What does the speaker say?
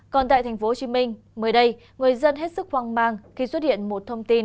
còn tại tp hcm mới đây người dân hết sức hoang mang khi xuất hiện một thông tin